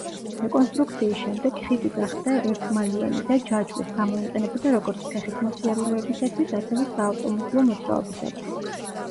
რეკონსტრუქციის შემდეგ ხიდი გახდა ერთმალიანი და ჯაჭვის, გამოიყენებოდა როგორც ფეხით მოსიარულეებისათვის ასევე საავტომობილო მოძრაობისათვის.